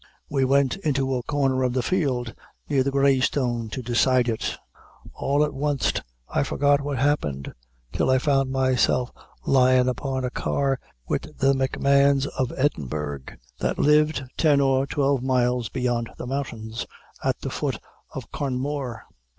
We went into a corner of the field near the Grey Stone to decide it. All at wanst I forgot what happened, till I found myself lyin' upon a car wid the M'Mahons of Edinburg, that lived ten or twelve miles beyant the mountains, at the foot of Carnmore.